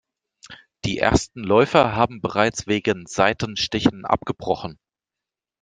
Die ersten Läufer haben bereits wegen Seitenstichen abgebrochen.